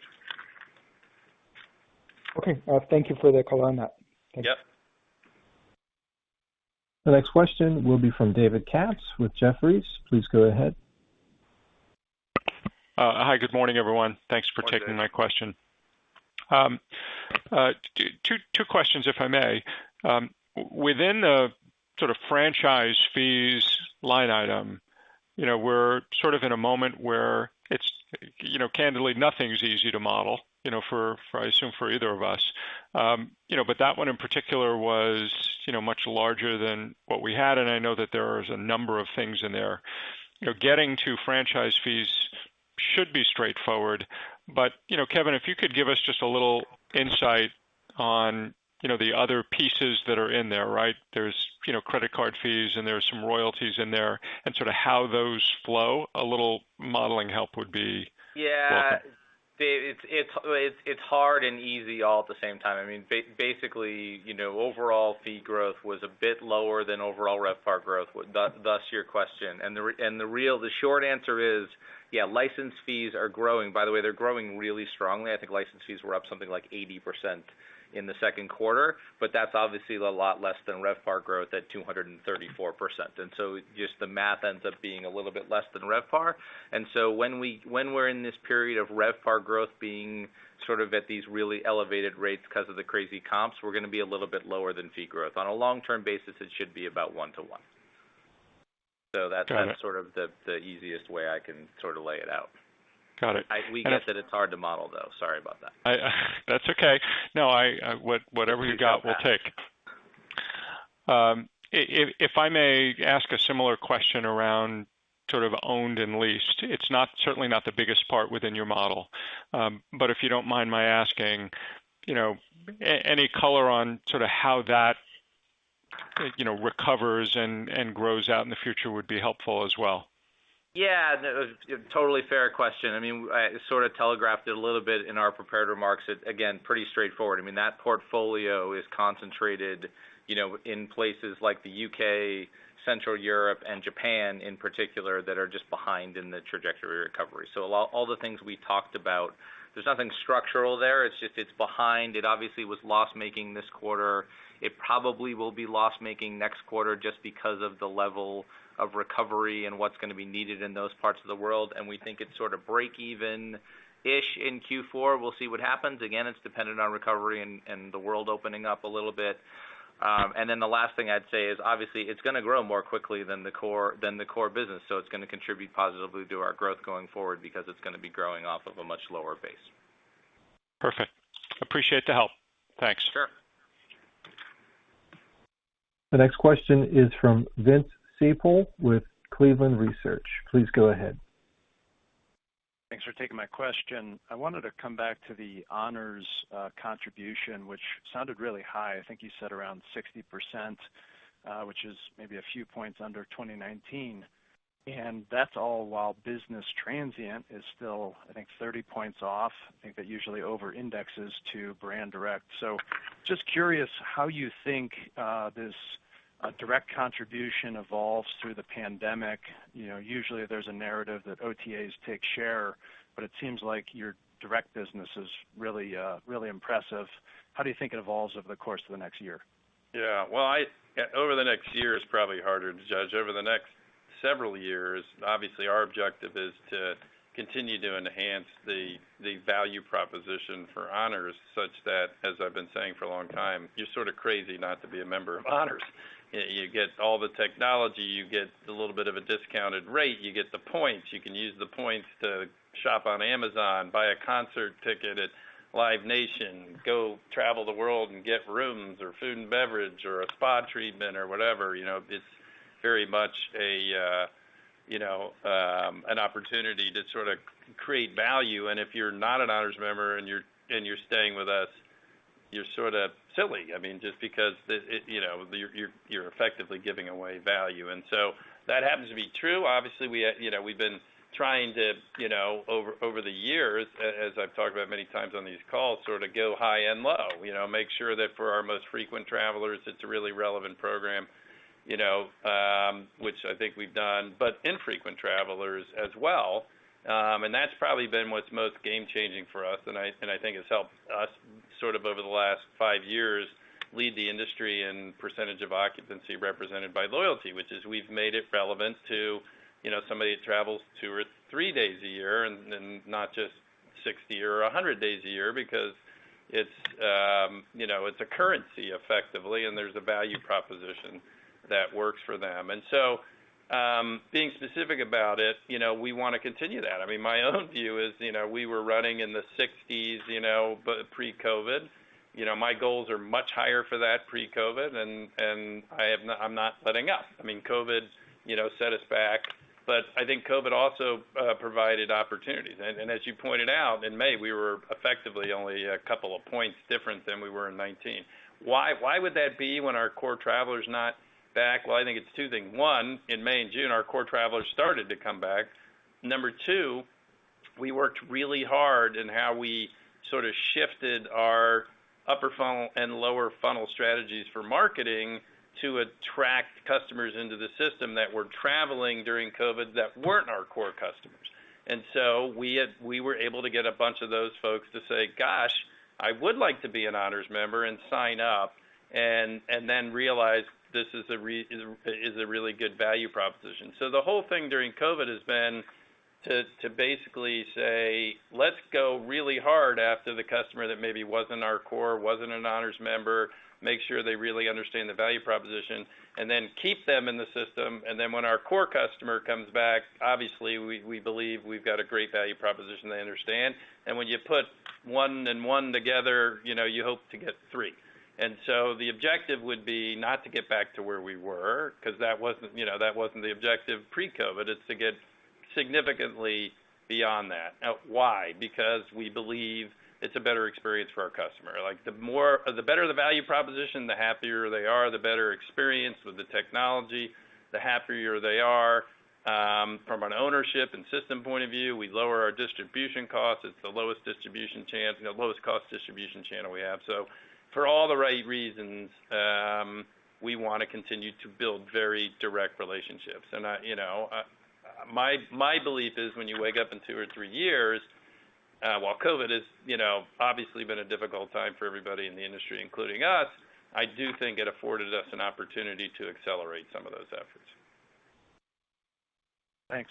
Okay. Thank you for the color on that. Yep. The next question will be from David Katz with Jefferies. Please go ahead. Hi, good morning, everyone. Thanks for taking my question. Two questions, if I may. Within the franchise fees line item, we're in a moment where candidly, nothing's easy to model, I assume for either of us. That one in particular was much larger than what we had, and I know that there is a number of things in there. Getting to franchise fees should be straightforward. Kevin, if you could give us just a little insight on the other pieces that are in there. There's credit card fees and there are some royalties in there, and how those flow. A little modeling help would be welcome. Yeah. It's hard and easy all at the same time. Basically, overall fee growth was a bit lower than overall RevPAR growth, thus your question. The short answer is, yeah, license fees are growing. By the way, they're growing really strongly. I think license fees were up something like 80% in the second quarter, but that's obviously a lot less than RevPAR growth at 234%. Just the math ends up being a little bit less than RevPAR. When we're in this period of RevPAR growth being at these really elevated rates because of the crazy comps, we're going to be a little bit lower than fee growth. On a long-term basis, it should be about 1:1. Got it. The easiest way I can lay it out. Got it. We get that it's hard to model, though. Sorry about that. That's okay. No, whatever you got, we'll take. If I may ask a similar question around owned and leased. It's certainly not the biggest part within your model. If you don't mind my asking, any color on how that recovers and grows out in the future would be helpful as well. Yeah. Totally fair question. I sort of telegraphed it a little bit in our prepared remarks. Again, pretty straightforward. That portfolio is concentrated in places like the U.K., Central Europe, and Japan in particular, that are just behind in the trajectory recovery. All the things we talked about, there's nothing structural there. It's just, it's behind. It obviously was loss-making this quarter. It probably will be loss-making next quarter, just because of the level of recovery and what's going to be needed in those parts of the world, and we think it's sort of break-even-ish in Q4. We'll see what happens. Again, it's dependent on recovery and the world opening up a little bit. The last thing I'd say is obviously it's going to grow more quickly than the core business. It's going to contribute positively to our growth going forward because it's going to be growing off of a much lower base. Perfect. Appreciate the help. Thanks. Sure. The next question is from Vince Ciepiel with Cleveland Research. Please go ahead. Thanks for taking my question. I wanted to come back to the Honors contribution, which sounded really high. I think you said around 60%, which is maybe a few points under 2019, and that's all while business transient is still, I think, 30 points off. I think that usually over-indexes to brand direct. Just curious how you think this direct contribution evolves through the pandemic. Usually, there's a narrative that OTAs take share, but it seems like your direct business is really impressive. How do you think it evolves over the course of the next year? Yeah. Well, over the next year is probably harder to judge. Over the next several years, obviously, our objective is to continue to enhance the value proposition for Honors such that, as I've been saying for a long time, you're sort of crazy not to be a member of Honors. You get all the technology, you get a little bit of a discounted rate, you get the points. You can use the points to shop on Amazon, buy a concert ticket at Live Nation, go travel the world and get rooms or food and beverage or a spa treatment or whatever. It's very much an opportunity to create value, and if you're not an Honors member and you're staying with us, you're sort of silly. Just because you're effectively giving away value. That happens to be true. Obviously, we've been trying to, over the years, as I've talked about many times on these calls, go high and low. Make sure that for our most frequent travelers, it's a really relevant program, which I think we've done, but infrequent travelers as well. That's probably been what's most game changing for us, and I think has helped us sort of over the last five years lead the industry in percentage of occupancy represented by loyalty, which is we've made it relevant to somebody that travels two or three days a year and not just 60 or 100 days a year because it's a currency effectively, and there's a value proposition that works for them. Being specific about it, we want to continue that. My own view is we were running in the 60s pre-COVID. My goals are much higher for that pre-COVID and I'm not letting up. COVID set us back, but I think COVID also provided opportunities. As you pointed out, in May, we were effectively only a couple of points different than we were in 2019. Why would that be when our core traveler is not back? Well, I think it's two things. One, in May and June, our core traveler started to come back. Number two, we worked really hard in how we shifted our upper funnel and lower funnel strategies for marketing to attract customers into the system that were traveling during COVID that weren't our core customers. We were able to get a bunch of those folks to say, "Gosh, I would like to be a Hilton Honors member," and sign up, and then realize this is a really good value proposition. The whole thing during COVID has been to basically say, Let's go really hard after the customer that maybe wasn't our core, wasn't an Honors member. Make sure they really understand the value proposition and then keep them in the system. When our core customer comes back, obviously, we believe we've got a great value proposition they understand. When you put one and one together, you hope to get three. The objective would be not to get back to where we were because that wasn't the objective pre-COVID. It's to get significantly beyond that. Why? Because we believe it's a better experience for our customer. The better the value proposition, the happier they are. The better experience with the technology, the happier they are. From an ownership and system point of view, we lower our distribution costs. It's the lowest cost distribution channel we have. For all the right reasons, we want to continue to build very direct relationships. My belief is when you wake up in two or three years, while COVID has obviously been a difficult time for everybody in the industry, including us, I do think it afforded us an opportunity to accelerate some of those efforts. Thanks.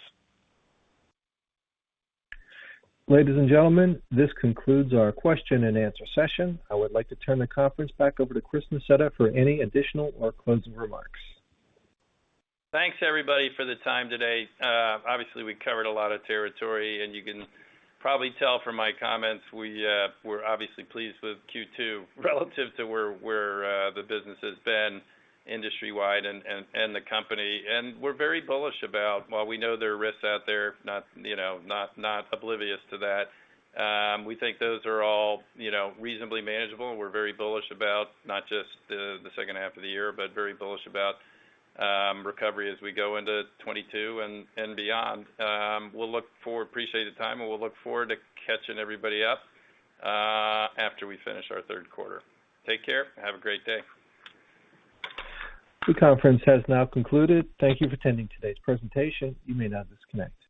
Ladies and gentlemen, this concludes our question and answer session. I would like to turn the conference back over to Chris Nassetta for any additional or closing remarks. Thanks, everybody, for the time today. Obviously, we covered a lot of territory, you can probably tell from my comments we're obviously pleased with Q2 relative to where the business has been industry-wide and the company. We're very bullish about while we know there are risks out there, not oblivious to that, we think those are all reasonably manageable. We're very bullish about not just the second half of the year, but very bullish about recovery as we go into 2022 and beyond. Appreciate the time, and we'll look forward to catching everybody up after we finish our third quarter. Take care. Have a great day. The conference has now concluded. Thank you for attending today's presentation. You may now disconnect.